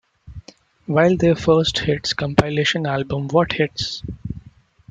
While their first hits compilation album What Hits!?